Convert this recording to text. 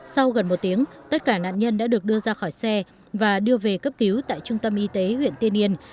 sau gần một tiếng tất cả nạn nhân đã được đưa ra khỏi xe và đưa về cấp cứu tại trung tâm y tế huyện tiên yên